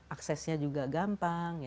aksesnya juga gampang